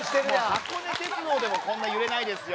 箱根鉄道でもこんな揺れないですよ。